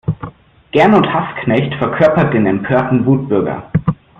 Gernot Hassknecht verkörpert den empörten Wutbürger.